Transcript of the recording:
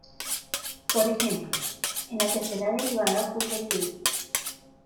Por ejemplo, en la tercera derivada ocurre que